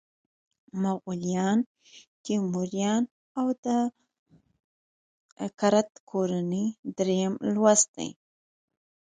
مغولان، تیموریان او د کرت کورنۍ دریم لوست دی.